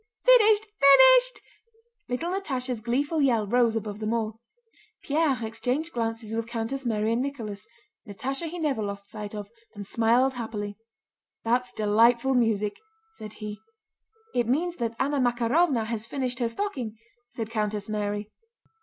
"Finished, finished!" little Natásha's gleeful yell rose above them all. Pierre exchanged glances with Countess Mary and Nicholas (Natásha he never lost sight of) and smiled happily. "That's delightful music!" said he. "It means that Anna Makárovna has finished her stocking," said Countess Mary.